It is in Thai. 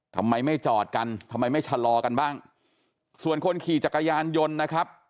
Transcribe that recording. ทำไมไม่จอดกันทำไมไม่ชะลอกันบ้างส่วนคนขี่จักรยานยนต์นะครับ